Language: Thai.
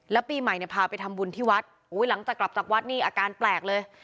แล้วปีใหม่เนี่ยพาไปทำบุญที่วัดอุ้ยหลังจากกลับจากวัดนี่อาการแปลกเลย